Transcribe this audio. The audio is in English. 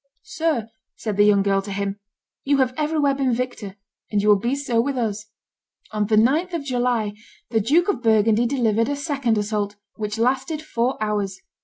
"Sir," said the young girl to him, "you have everywhere been victor, and you will be so with us." On the 9th of July the Duke of Burgundy delivered a second assault, which lasted four hours.